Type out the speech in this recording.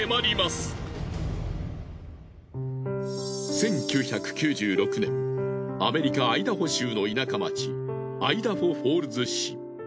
１９９６年アメリカアイダホ州の田舎町アイダホフォールズ市。